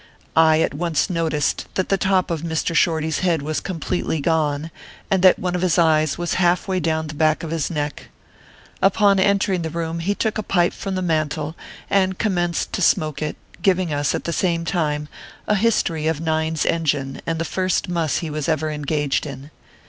I at once noticed that the top of Mr. Shorty s head was completely gone , and that one of his eyes was half way down the back of his neck. Upon entering the room he took a pipe from the mantel and commenced to smoke it, giving us 7 at the same time, a history of Nine s Engine and the first " muss " he was ever engaged in.